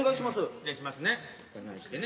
失礼しますね。